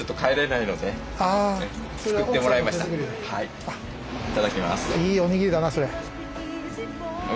いいおにぎりだなそれ。